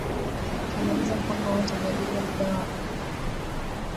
ikiwa utamaliza mpango wowote jadili muda na bei kwa